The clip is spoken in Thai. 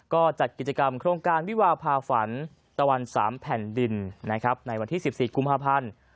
ก็จัดกิจกรรมโครงการวิวาภาฝันตะวัน๓แผ่นดินในวันที่๑๔กุมภาพันธ์